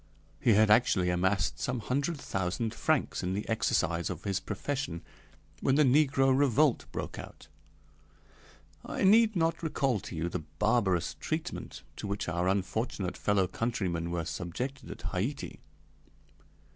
He had actually amassed some hundred thousand francs in the exercise of his profession when the negro revolt broke out. I need not recall to you the barbarous treatment to which our unfortunate fellow countrymen were subjected at Haiti. Dr.